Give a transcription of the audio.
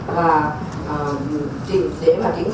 và để mà triển khai rất nhiều các hoạt động ở cộng đồng